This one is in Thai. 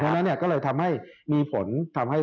เรื่องนั้นครับ